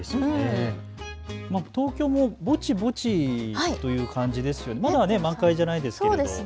東京もぼちぼちという感じ、まだ満開じゃないですけど。